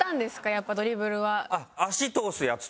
やっぱドリブルは。